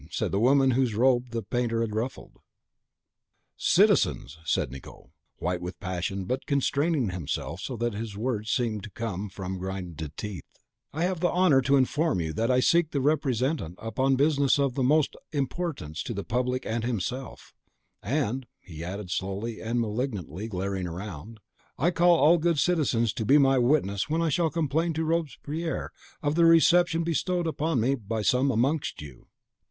said the woman whose robe the painter had ruffled. "Citizens," said Nicot, white with passion, but constraining himself so that his words seemed to come from grinded teeth, "I have the honour to inform you that I seek the Representant upon business of the utmost importance to the public and himself; and," he added slowly and malignantly, glaring round, "I call all good citizens to be my witnesses when I shall complain to Robespierre of the reception bestowed on me by some amongst you."